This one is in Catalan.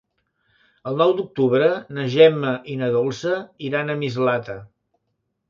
El nou d'octubre na Gemma i na Dolça iran a Mislata.